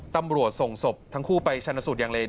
ตำรวจส่งศพทั้งคู่ไปชนสูตรอย่างเลน